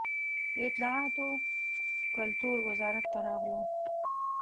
د اطلاعات و کلتور وزارت ته راغلو.